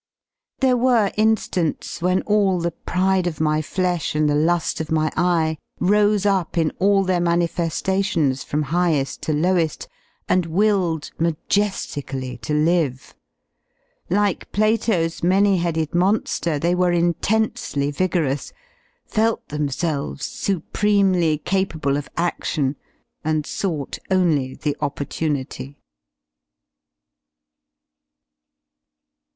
There were in^nts when all the pride of my flesh and the lu^ of my eye rose up in all their manife^tions from highe^ to lowe^, and willed maje^ically to live. Like Plato's many headed monger, they were intensely vigorous, felt themselves supremely capable of adlion and sought only the opportunity.